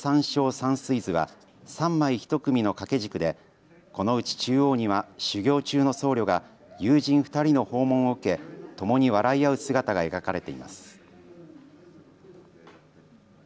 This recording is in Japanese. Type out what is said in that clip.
山水図は３枚１組の掛け軸でこのうち中央には修行中の僧侶が友人２人の訪問を受け、ともに笑い合う姿が描かれています。